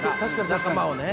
仲間をね。